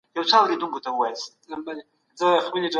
کار باید محدود وخت ولري.